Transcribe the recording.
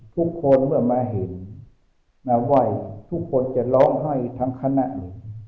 ทุกคนเมื่อมาเห็นมาไหว้ทุกคนจะร้องไห้ทั้งคณะ